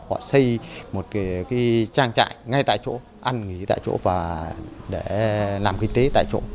họ xây một trang trại ngay tại chỗ ăn nghỉ tại chỗ và làm kinh tế tại chỗ